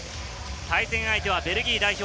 対戦相手はベルギー代表。